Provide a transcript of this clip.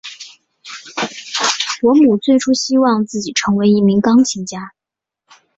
伯姆最初希望自己成为一名钢琴家。